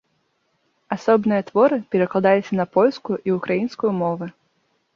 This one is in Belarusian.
Асобныя творы перакладаліся на польскую і ўкраінскую мовы.